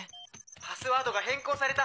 パスワードが変更された！